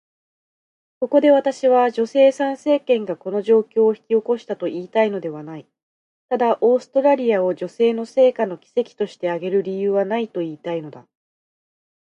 ここで私は、女性参政権がこの状況を引き起こしたと言いたいのではない。ただ、オーストラリアを女性の成果の奇跡として挙げる理由はないと言いたいのだ。